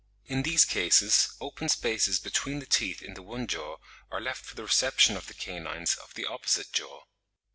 In these cases, open spaces between the teeth in the one jaw are left for the reception of the canines of the opposite jaw.